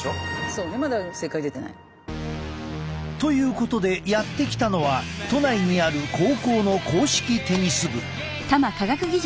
そうねまだ正解出てない。ということでやって来たのは都内にある高校の硬式テニス部。